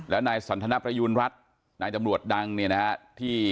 และนายสันทนประยูณรัฐนายตำรวจดังเนี่ยนะฮะที่